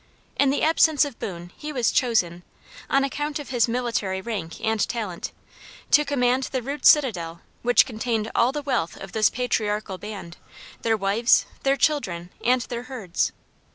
In the absence of Boone he was chosen, on account of his military rank and talent, to command the rude citadel which contained all the wealth of this patriarchal band, their wives, their children, and their herds.